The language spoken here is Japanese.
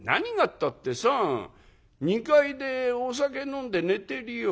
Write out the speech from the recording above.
ったってさあ２階でお酒飲んで寝てるよ。